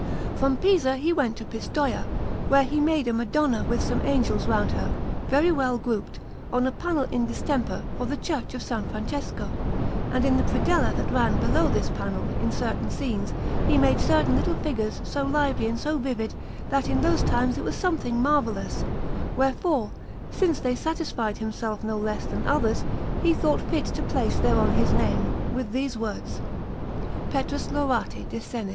From Pisa he went to Pistoia, where he made a Madonna with some angels round her, very well grouped, on a panel in distemper, for the Church of S. Francesco; and in the predella that ran below this panel, in certain scenes, he made certain little figures so lively and so vivid that in those times it was something marvellous; wherefore, since they satisfied himself no less than others, he thought fit to place thereon his name, with these words: PETRUS LAURATI DE SENIS.